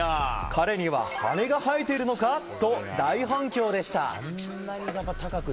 彼には羽が生えているのか？と大反響でした。